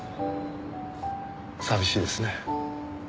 寂しいですね。